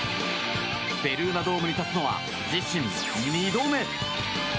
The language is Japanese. ベルーナドームに立つのは自身２度目。